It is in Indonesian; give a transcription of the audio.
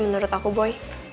menurut aku boy